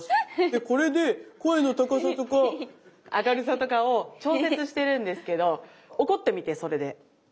これで声の高さとか明るさとかを調節してるんですけど怒ってみてそれで。